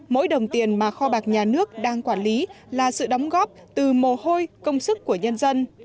mỗi đồng tiền mà kho bạc nhà nước đang quản lý là sự đóng góp từ mồ hôi công sức của nhân dân